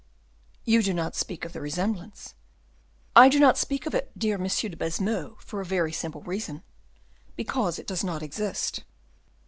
"You do not speak of the resemblance." "I do not speak of it, dear M. de Baisemeaux, for a very simple reason because it does not exist."